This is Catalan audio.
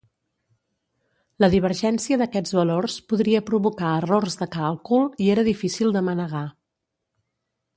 La divergència d'aquests valors podria provocar errors de càlcul i era difícil de manegar.